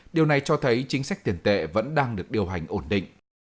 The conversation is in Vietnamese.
điều này cho thấy chính sách tiền tệ vẫn đang được điều hành ổn định